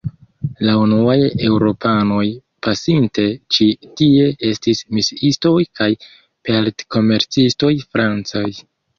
La unuaj Eŭropanoj pasinte ĉi-tie estis misiistoj kaj pelt-komercistoj francaj.